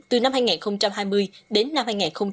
từ năm hai nghìn hai mươi đến năm hai nghìn hai mươi